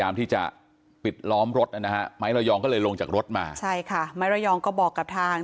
ไม้ระยองก็เลยลงจากรถมาใช่ค่ะไม้ระยองก็บอกกับทาง